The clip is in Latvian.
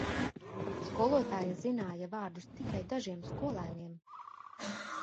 Skolotāja zināja vārdus tikai dažiem skolēniem.